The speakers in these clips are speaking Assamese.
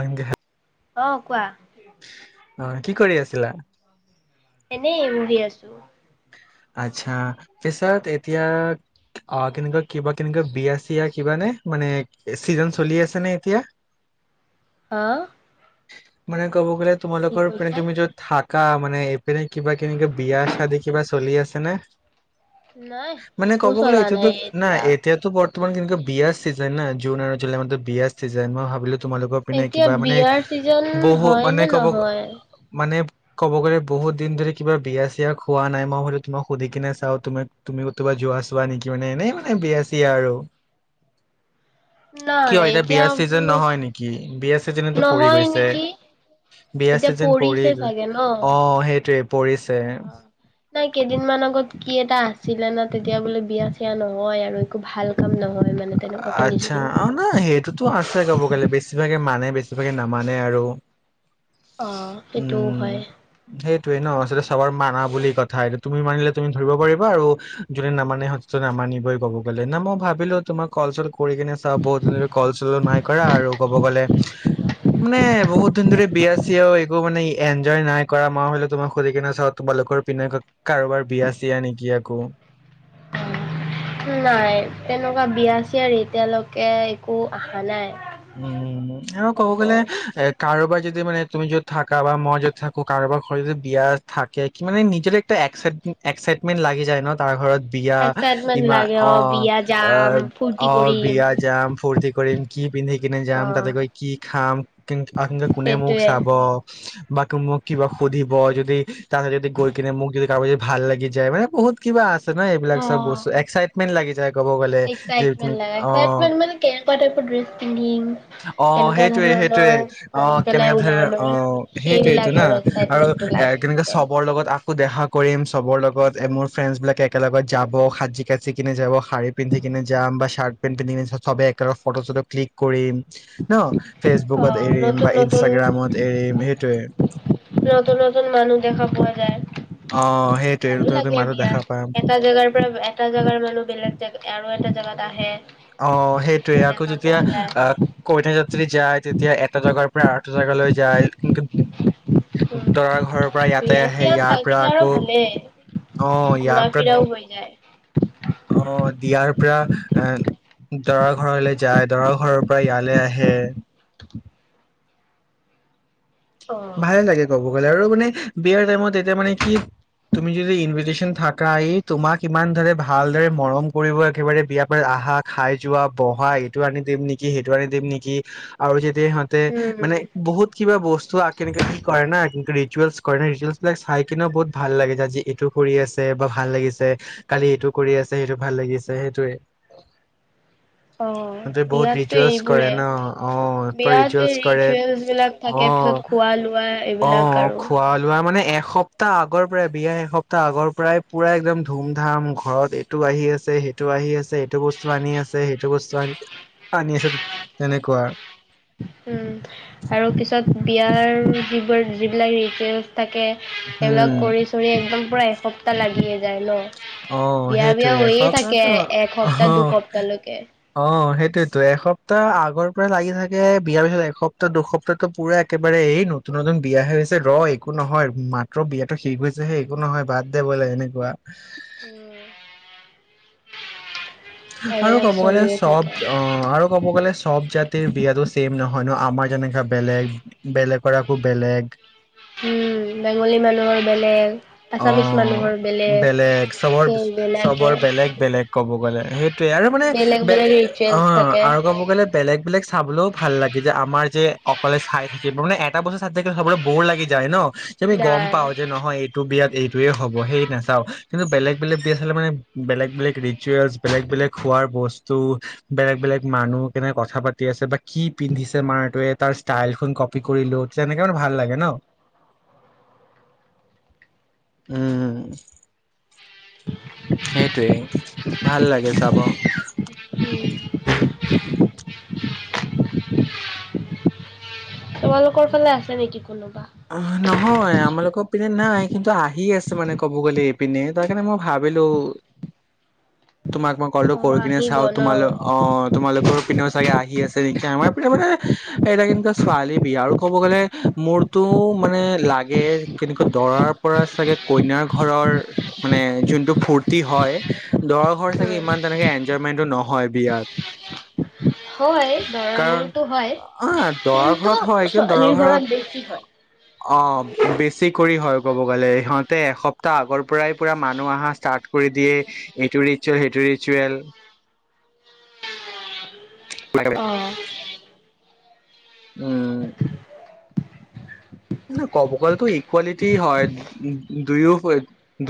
ঐ দেহা অহ কোৱা? অ কি কৰি আছিলা। এনেই উৰি আছোঁ। আচ্ছা পিছত এতিয়া অ কেনেকুৱা কিবা কেনেকুৱা বিয়া চিয়া কিবা নে মানে চিজন চলি আছে নে এতিয়া। হা মানে ক'ব গ'লে কি তোমালোকৰ মানে কৈছা? তুমি য'ত থাকা মানে এইপিনে কিবা কেনে বিয়া চাদী কিবা চলি আছে নে নাই মানে একো ক'ব গ'লে চলা এতিয়াটো নাই এতিয়া। এতিয়াটো বৰ তোমাৰ কিন্তু বিয়া চিজন না জুন আৰু জুলাই মাহতো বিয়া চিজন মই ভাবিলোঁ। তোমালোকৰ পিনে এতিয়া কিবা মানে। বিয়াৰ চিজন বহু হয় মানে নে ক'ব নহয় মানে ক'ব গ'লে বহুত দিন ধৰি কিবা বিয়া চিয়া খোৱা নাই মই হলোঁ তোমাক সুধি কিনে চাও তুমি তুমি কোবা যোৱা চোৱা নেকি মানে এনেই মানে বিয়া চিয়া আৰু নাই কিয় এতিয়া বিয়াৰ চিজন কোনো নহয় নেকি বিয়া চিজন নহয় নেকি বিয়া এতিয়া চিজন পৰি পৰিছে গ চাগে ন অ সেইটোৱে পৰিছে নাই কেইদিনমান আগত কি এটা আছিলে না তেতিয়া তেতিয়া বোলে বিয়া চিয়া নহয় আৰু একো ভাল কাম নহয় মানে তেনেকুৱা আচ্ছা শুনিছিলো। অ না সেইটোতো আছে ক'ব গ'লে বেছিভাগে মানে বেছিভাগে নামানে আৰু অ সেইটোও হয় এইটো ন আচলতে চবৰ মানা বুলি কথা তুমি মানিলে তুমি ধৰিব পাৰিবা আৰু যোনে নামানে স নামানিবই কব গলে না মই ভাবিলো তোমাক কল চল কৰি কিনে চাও বহুত দিন ধ কল চলো নাই কৰা আৰু কব গ'লে মানে বহুত দিন ধ বিয়া চিয়া ও একো মানে এনজয় নাই কৰা মাহ হলেও তোমাক সুধি কিনে চা তোমালোকৰ পিনে কাৰোবাৰ বিয়া চিয়া নেকি আকৌ নাই তেনেকুৱা বিয়া চিয়া এতিয়ালৈকে একো আশা নাই উম উ আৰু ক'ব গ'লে খবৰ। এ কাৰোবাৰ যদি মান তুমি য'ত থাকা বা মই যত থাকো কাৰবাৰ ঘৰত যদি বিয়া থাকে কি মে নিজৰ একটা এক এক্সাইটমেণ্ট লাগি যায় ন তাৰ ঘৰত বিয়া এক্সাইটমেন্ট ইমান লাগে অ বিয়া অ যাম ফূৰ্তি অ কৰিম বিয়া যাম ফূৰ্তি কৰিম কি সেই কিনে অ যাম তাতে গৈ কি খাম আৰু কোনে মোক সেইটোৱে চাব বা মোক কিবা সুধিব যদি তহা যদি গৈ কিনে মুখ যদি ক ভাল লাগি যায় মানে বহুত কিবা আছে নহয় এইবিলাক চব বস্তু এক্সাইটমেট লাগিছে এক্সাইটমেণ্ট লাগে এক্সইটমেণ্ট মানে কেনেুৱা টাইপৰ পিন্ধিম অ', কেনেকুৱা সেইটোৱে- সেইটোৱে ধৰণৰ অ কৰি ', পেলাই কেনেকে ধ ওলাম আৰু অ', সেইবিলাক সেইটোৱেইটো না আৰু আৰু এক্সাইটমেন্টটো এ লাগি কেনেকে থাকে চবৰ লগত আকৌ দেখা কৰিম। চবৰ লগত মোৰ ফ্ৰেণ্ডছ বিলাকে একেলগত যাব সাজি কাজিনে যাব সাৰী পিন্ধি কিনে যাম বা চাৰ্ট পেন্ট পিন্ধনে চবে একেলগ ফটো চটো ক্লিক কৰিম। ন', ফেচবুকত এৰিম নতুন বা নতুন নতুন ইনষ্টাগ্ৰামত এৰিম সেইটোয়ে। নতুন -নতুন মানুহ দেখা পোৱা যায়। অ সেইটোৱে ভালো নতুন নতুন লাগে মানুহ দেখা বিয়াত পাম এটা জেগাৰ পৰা এটা জেগাৰ মানুহ বেলেগ জেগা আৰু এটা জেগাত আহে। অ ', সেইটোৱে আকৌ দেখা যেতিয়া পোৱা যায় আহ', কৈ থকাত চে যদি যায় তেতিয়া এটা জোগাৰ পৰা আটা জেগালৈ যায় কিন্তু উম দৰা ঘৰৰ পৰা ইয়াতে বিয়া আহে চিয়া ইয়াৰ পৰা থাকিলে আৰু আকৌ ভালেই আহ', ইয়াৰ ঘূৰা পৰা ফিৰাও হৈ যায়। আহ', দিয়াৰ পৰা এ', দৰাৰ ঘৰলৈ যায় দৰাৰ ঘৰৰ পৰা ইয়ালৈ আহে। অ'। ভালে লাগে কব। গলে আৰু মান বিয়াৰ টাইমত এইতিয়া মানে কি তুমি যদি ইনভেটিচন থাকা তোমাক ইমান ভাল মৰম কৰিব একেবাৰে বিয়াৰ আহা খাই যোৱা বহা এইটো আনি দিম নেকি সেইটো আনি দিম নেকি আৰু যে দে হাতে মানে উম, বহুত কিবা বস্তু চোৱা কেনেকে কি কৰে না কিন্তু ৰিচুৱেলছ কৰে ন ৰিচুৱেলছ বিলাক চাই কিনেও বহুত ভাল লাগিছে আজি এইটো কৰি আছে বা ভাল লাগিছে কালি এইটো কৰি আছে সেইটো ভাল লাগিছে সেইটোৱে। অ', সিহঁতে বহুত বিয়াততো ৰিচুৱেলছ কৰে এইবোৰে ন অ পুৰা বিয়াত ৰিচুৱেলছ কৰে ৰিচুৱেলচ বিলাক অ থাকে পিছত খোৱা লোৱা অ এইবিলাক আৰু খোৱা লোৱা মানে এসপ্তাহ আগৰ পৰাই বিয়া এসপ্তাহ আগৰ পৰাই পুৰা একদম ধুম ধাম ঘৰত এইটো আহি আছে সেইটো আহি আছে এইটো বস্তু আনি আছে সেইটো বস্তু আনি -আনি আছে তেনেকুৱা। উম', আৰু পিছত বিয়াৰ যিবোৰ যিবিলাক ৰিচুৱেলচ থাকে সেইবিলাক উম কৰি চৰি একদম পূৰা এসপ্তাহ লাগি যায় ন। অ', বিয়া বিয়া সেইটয়ে হৈয়ে থাকে অ', এসপ্তাহ দুসপ্তাহলৈকে। - অ', সেইটো সেইতো এসপ্তাহ আগৰ পৰা লাগি থাকে বিয়াৰ পিছত এসপ্তাহ দুসপ্তাহো পুৰা একেবাৰে এই নতুন - নতুন বিয়াহে হৈছে ৰ একো নহয় মাত্ৰ বিয়াতো শিক গৈছেহে একো নহয় বাদ দে বোলে এনেকুৱা। উম', আৰু ক'ব গ'লে চব অ ', আৰু ক'ব গ'লে সব জাততিৰ বিয়াটো ছেম নহয় ন আমাৰ জেনেকা বেলেগ -বেলেগৰ আকৌ বেলেগ। উম', বেংগলী মানুহৰ বেলেগ, আছামিছ অ', মানুহৰ বেলেগ চবৰ- সেইবিলাকে। চবৰ বেলেগ- বেলেগ ক'ব গলে সেইটয়ে আৰু মানে বেলেগ বেলে বেলেগ ৰিচুৱেলচ অ', থাকে আৰু ক'ব গ'লে বেলেগ - বেলেগ চাবলৈও ভাল লাগে যে আমাৰ যে অকলে চাই থাকিবলে এটা বছৰ চাই থাকে চাবলৈ বৰ লাগি যায় ন। যে আমি গম নাই পাও যে নহয় এইটো বিয়াত এইটোয়ে হ'ব সেই নাচাও কিন্তু বেলেগ -বেলেগ বিয়া চালে মানে বেলেগ- বেলেগ ৰিচুৱেলছ বেলেগ- বেলেগ খোৱাৰ বস্তু বেলেগ - বেলেগ মানুহ কেনেক কথা পাতি আছে বা কি পিন্ধিছে মানুহটো এইটো তাৰ ষ্টাইলটো কপি কৰিলো তে এনেকে মানে ভাল লাগে ন। উম', সেইটোৱে ভাল লাগে চাব। [unintelligible] তোমালোকৰ ফালে আছে নেকি কোনোবা? অ নহয় আমাৰলোকৰ পিনে নাই কিন্তু আহি আছে মানে ক'ব গ'লে এই পিনে তাৰকাৰণে মই ভাবিলো তোমাক মই কলটো অ কৰ কিনে আহিব চাওঁ ন তোমালোক অ তোমালোকৰ পিনেও চাগে আহি আহি আছে নেকি আমাৰ পিনে মানে এইবিলাক এনেকোৱা ছোৱালী নেকি আৰু ক'ব গ'লে মোৰ টো মানে লাগে কেনেকোৱা দৰাৰ পৰা চাগে কইনাৰ ঘৰৰ মানে যোনটো ফুৰ্তি হয় দৰা ঘৰ উম চাগে ইমান তেনেকে এন এনজয়মেণ্টো নহয় বিয়াত হয় দৰা কাৰণ ঘৰটো হয় অ দৰা কিন্তু ঘৰত হয় কিন্তু দৰা ছোৱালীৰ ঘৰত বেছি হয়। অ বেছি বেছি কৰি হয় ক'ব গ'লে ইহঁত এসপ্তাহ আগৰ পৰাই পুৰা মানুহ আহা ষ্টাৰ্ট কৰি দিয়ে এইটো ৰিচুৱেল সেইটো ৰিচুৱেল অ উম ন ক'ব গ'লেতো ইকুৱালিটি হয় দুয়ো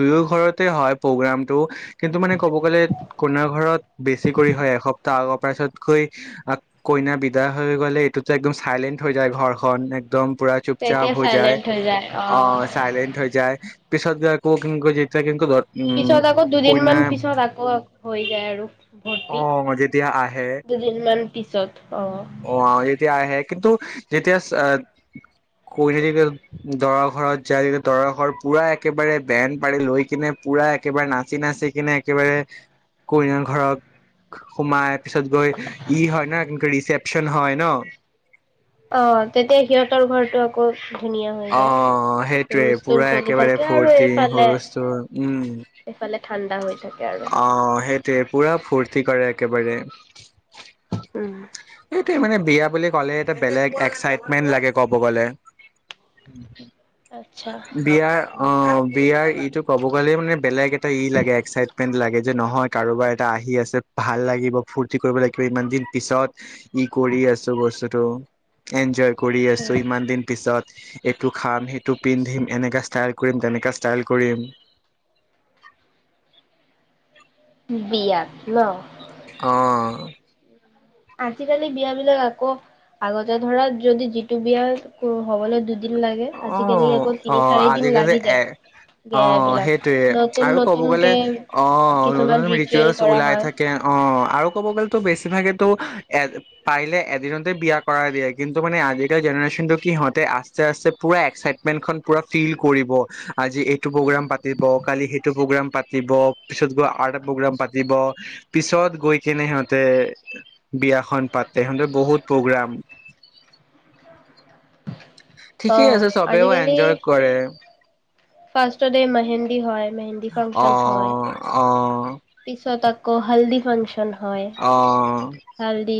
দুয়ো ঘৰতে হয় প্ৰগ্ৰামটো কিন্তু মানে ক'ব গ'লে কইনাৰ ঘৰত বেছি কৰি হয় এসপ্তাহ আগৰ পৰা পাছতকৈ কইনা বিদায় হৈ গ'লে এইটোতো একদম চাইলেণ্ট হৈ যায় ঘৰখন একদম পুৰা চুপচাপ তেতিয়া হৈ যায় চাইলেণ্ট হৈ যায় অ চাইলেণ্ট হৈ যায় পিছত গৈ আকৌ সেনেকুৱা যেতিয়া ঘৰত পিছত আকৌ দুদিনমান পিছত আকৌ হৈ যায় আৰু অ ভৰ্তি যেতিয়া আহে দুদিনমান পিছত অ যেতিয়া আহে কিন্তু যেতিয়া কইনা যেতিয়া দৰা ঘৰত যায় তিয়া দৰা ঘৰ পুৰা একেবাৰে বেন পাৰি লৈ কিনে পুৰা একেবাৰে নাচি নাচি কিনে একেবাৰে কইনাৰ ঘৰত সোমাই পিছত গৈ ই হয় ন কি ৰিচেপ অপচন হয় ন অ তেতিয়া সিহঁতৰ ঘৰটো আকৌ ধুনীয়া হৈ অ যায় সেইটোৱে হুলস্থুল পুৰা চলি একেবাৰে থাকে আৰু ফুৰ্তি এইফালে হূলস্থুল উম এইফালে ঠাণ্ডা হৈ থাকে আৰু তে পুৰা ফূৰ্তি কৰে একেবাৰে উম এইটো মানে বিয়া বুলি ক'লে এটা বেলেগ এক্সাইটমেণ্ট লাগে কব গলে আচ্ছা বিয়াৰ অ', বিয়াৰ ইটো ক'ব গ'লে মানে বেলেগ এ', তেই লাগে এক্সাইটমেণ্ট লাগে। যে', নহয় কাৰোবাৰ এটা আহি আছে ভাল লাগিব, ফূৰ্তি কৰিব লাগিব, ইমান দিন পিছত ই', কৰি আছো বস্তুটো এনজয়, কৰি আছো ইমান দিন পিছত, এইটো খাম', - সেইটো পিন্ধিম', এনেকা ষ্টাইল কৰিম', - তেনেকা ষ্টাইল কৰিম, বিয়াত ন', আহ', আজিকালি বিয়া', বিলাক আকৌ আগতে ধৰা যদি যিটো বিয়া হবলৈ দু, অ', - অ ', আজিকালি লাগি যায় এ', বিয়া অ', বিলাক সেইটোয়ে নতুন আৰু ক'ব গ'লে নতুনকে অ', নতুন- কিছুমান নতুন ৰিচুৱেল ৰিচুৱেলচ কৰা ওলাই হয় থাকে অ', আৰু ক'ব গ'লেতো বেছিভাগে ত', এ', পাৰিলে এদিনতে বিয়া কৰাই দিয়ে কিন্তু মানে আজিকালি জেনেৰেচনটো কি সিহঁতে আস্তে পুৰা এক্সাইটমেন্টখন পুৰা ফিল কৰিব, আজি এইটো প্ৰগ্ৰোম পাতিব কালি সেইটো প্ৰগ্ৰাম পাতি, পাতিব পিছত গৈ আৰ্ট প্ৰগ্ৰাম পাতিব, পিছত গৈ কেনে সিহঁতে বিয়াখন পাতে সিহঁতে বহুত প্ৰগ্ৰাম। ত', ঠিকেই আছে চবেও আজিকালি এনজয় কৰে ফাৰ্ষ্টততে মেহেন্দী হয়। মেহেন্দী ফাংচন হয় অ', - অ', পিছত তাত, আকৌ হল্দি ফাংচন, হয়', অ হালদি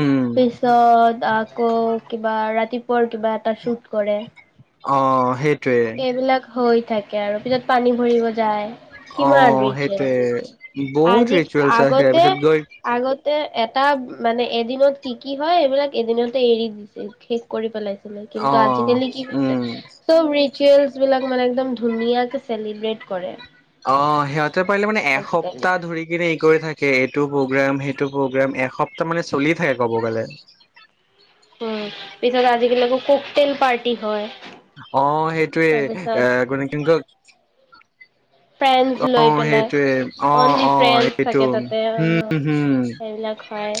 উম পিছত, আকৌ, কিবা ৰাতিপুৱাৰ কিবা এটা শ্বুট কৰে। অ', সেই এইবিলাক হৈ থাকে। তাকে আৰু পিছত পানী ভৰিব যায়, অ কিমান ৰিচুৱেল সেইটোৱে আছে বহুত আজি ৰিচুৱেলছ আছে তাৰপিছত আগতে- গৈ আগতে এ, তাত মানে এদিনত কি', - কি ', হয় এইবিলাক এদিনতে এৰি দিছে শেষ কৰি পেলাইছে। অ কিন্তু আজিকালি কি হৈছে উম চব, ৰিচোৱেল বিলাক মানে একদম ধুনীয়াকে চেলিব্ৰট কৰে। অ', সিহঁত, পাৰিলে মানে আজিকালি। এসপ্তাহ ধৰি কিনে ই', কৰি থাকে, এইটো প্ৰগ্ৰাম, সেইটো প্ৰগ্ৰাম, এস তাৰমানে চলিয়ে থাকে ক'ব গ'লে, [unintelligible] উম', পিছত আজিকালি কক-তেল পাৰ্টি হয়। অ', সেইটোয়ে তাৰপিছত এ', গলে কিন্তু ফ্ৰেণ্ডছ অ লৈ পেলাই সেইটোৱে অ অনলি অ ফ্ৰেণ্ডছ সেইটো থাকে তাতে অ' হম হম সেইবিলাক হয়।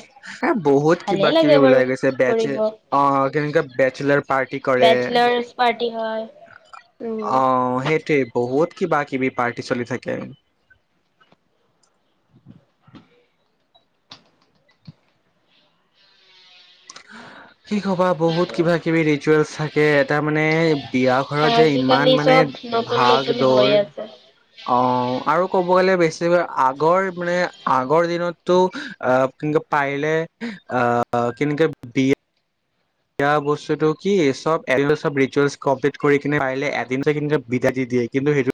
বহুত ভালে কিবা কিবি লাগে বাৰু ওলাই গৈছে ব কৰিব অ কেনো বেচেলাৰ পাৰ্টি কৰে বেচলাৰছ পাৰ্টি হয় অ উম সেইটোৱে বহুত কিবা কিবি পাৰ্টি চলি থাকে হয় কি কবা বহুত সেইটোৱে কিবা কিবি ৰিচুৱেলছ থাকে কেত তাৰ মানে বিয়া ঘৰত যে আজিকালি ইমান মানে চব নতুন ভাগ নতুন হৈ দৌৰ আছে অ আৰু ক'ব গ'লে বেছিভৈ আগৰ মানে আগৰ দিনতটো আহ কেনেকে পাৰিলে আহ কেনেকে বিয়া সয়া বস্তুতটো কি চব এদ চব ৰিচুৱেল কমপ্লিট কৰি কিনে পাৰিলে এদিন বিদা দি দিয়ে কিন্তু সেইটো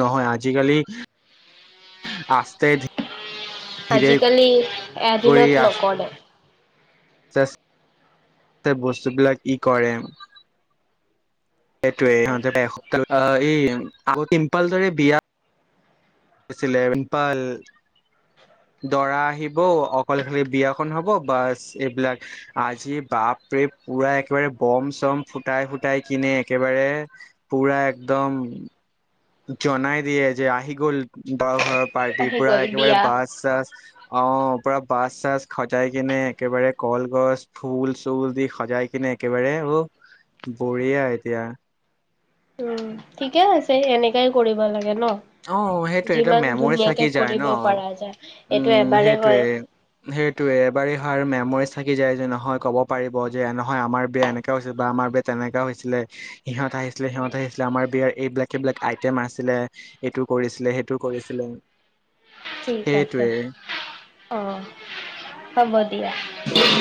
নহয় আজিকালি আস্তে ধীৰে আজিকালি এদিনত নকৰে চছ বস্তুবিলাক ই কৰে সেইটোয়ে ইহঁতে এসপ্তাহ লৈ অ এই আগ পিম্পাল দৰে বিয়া ছলেভন পাল দৰা আহিব অকলেলে বিয়াখন হব বাছ এইবিলাক আজি বাপৰে পুৰা একেবাৰে বম চম ফুটাই ফুটাই কিনে একেবাৰে পুৰা একদম জনাই দিয়ে যে আহি গ'ল দৰা ঘৰ পাৰ্টিৰ আহি পৰা গ'ল একেবাৰে বিয়া বাছ চাছ অ পূৰা বাছ চাছ সজাই কিনে একেবাৰে কলগছ ফুল চুল দি সজাই কিনে একেবাৰে অ বৰিয়া আৰু এতিয়া। উম ঠিকে আছে এনেকাই কৰিব লাগে। ন অ সেইটোৱে এয়া যিমান মেমৰি ধুনীয়াকে থাকি যায় ন কৰিব পৰা যায় এইটো উম এবাৰে সেইটোৱে হয় সেইটোৱে এবাৰেই হয় মেমৰি থাকি যায় যে নহয়। নহয় ক'ব পাৰিব যে নহয় আমাৰ বিয়া এনেককাা হৈছিল বা আমাৰ বিয়া তেনেককা হৈছিলে? সিহঁত আহিছিলে সিহঁতআহিছিলে আমাৰয়াৰ এইবিলাক। সবিলাক আইটেম আছিলে? এইটো কৰিছিলে সেইটো কৰিছিলে? ঠিক আছে সেইটোৱে অ হ'ব দিয়া?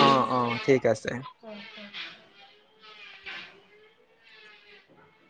অ অ ঠিক আছে। দিয়া